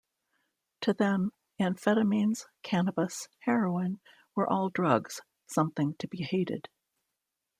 To them amphetamines, cannabis, heroin were all drugs - something to be hated.